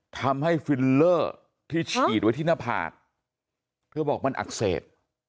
ฟิลเลอร์ที่ฉีดไว้ที่หน้าผากเธอบอกมันอักเสบ